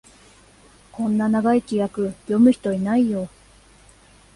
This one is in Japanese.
こんな長い規約、読む人いないよ